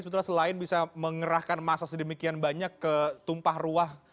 sebetulnya selain bisa mengerahkan masa sedemikian banyak ke tumpah ruah